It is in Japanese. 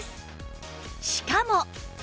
しかも